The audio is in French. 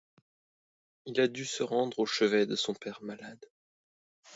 Il a dû se rendre au chevet de son père malade...